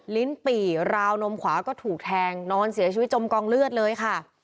ลิ้นปี่ราวนมขวาก็ถูกแทงนอนเสียชีวิตจมกองเลือดเลยค่ะ